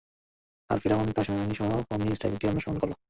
আর ফিরআউন তার সেনাবাহিনীসহ বনী ইসরাঈলকে অনুসরণ করল।